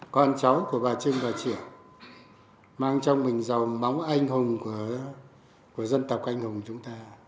con cháu của bà trưng và triển mang trong mình dòng máu anh hùng của dân tộc anh hùng chúng ta